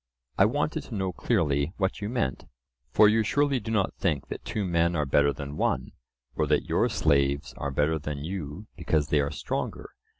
I wanted to know clearly what you meant; for you surely do not think that two men are better than one, or that your slaves are better than you because they are stronger?